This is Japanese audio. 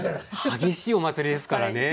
激しいお祭りですからね。